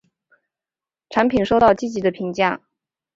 产品收到积极的评价。